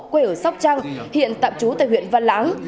quê ở sóc trăng hiện tạm chú tại huyện văn láng